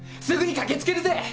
すぐに駆け付けるぜ！